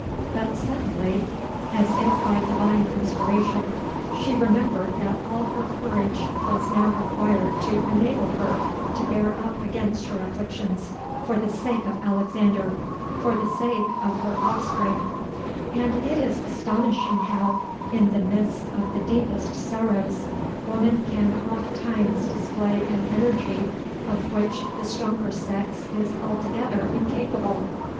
But suddenly, and as if by divine inspiration, she remembered that all her courage was now required to enable her to bear up against her afflictions for the sake of Alexander—for the sake of her offspring;—and it is astonishing how, in the midst of the deepest sorrows, woman can ofttimes display an energy of which the stronger sex is altogether incapable.